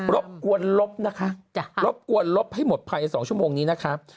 บกวนลบนะคะรบกวนลบให้หมดภายใน๒ชั่วโมงนี้นะครับ